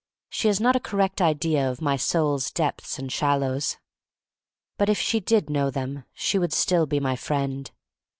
She has not a correct idea of my soul's depths and shallows. But if she did know them she would still be my friend.